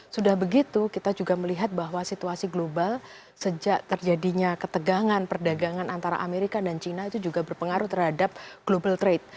sudah begitu kita juga melihat bahwa situasi global sejak terjadinya ketegangan perdagangan antara amerika dan china itu juga berpengaruh terhadap global trade